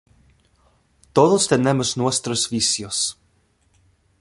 Todos tenemos nuestros vicios.